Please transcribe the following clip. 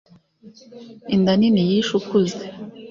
Inda nini yishe ukuze.